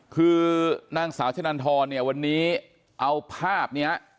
คือนางสาวชะนันทรเนี่ยวันนี้เอาภาพนี้